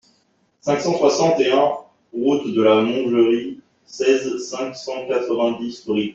cinq cent soixante et un route de la Mongerie, seize, cinq cent quatre-vingt-dix, Brie